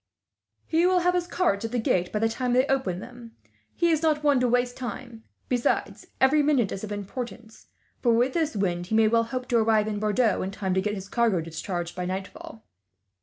"He will have his carts at the gates by the time they open them. He is not one to waste time; besides, every minute is of importance for, with this wind, he may well hope to arrive at Bordeaux in time to get his cargo discharged by nightfall."